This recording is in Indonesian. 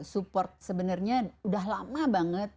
support sebenarnya udah lama banget